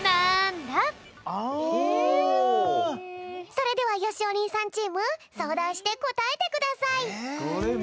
それではよしお兄さんチームそうだんしてこたえてください！